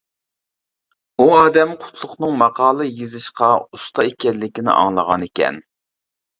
ئۇ ئادەم قۇتلۇقنىڭ ماقالە يېزىشقا ئۇستا ئىكەنلىكىنى ئاڭلىغان ئىكەن.